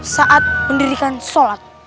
saat mendirikan sholat